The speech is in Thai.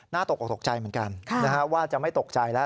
ตกออกตกใจเหมือนกันว่าจะไม่ตกใจแล้ว